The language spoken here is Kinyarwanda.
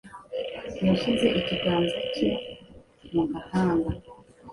Yashyize ikiganza cye mu gahanga.